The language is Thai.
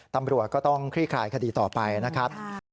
ตำรวจก็ต้องคลี่คลายคดีต่อไปนะครับ